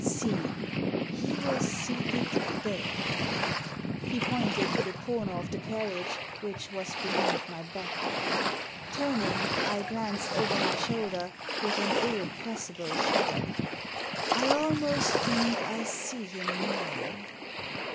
See, he was seated there." He pointed to the comer of the carriage which was behind my back. Turning, I glanced over my shoulder with an irrepressible shudder. "I almost think I see him now.